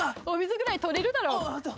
お水ぐらい取れるだろ。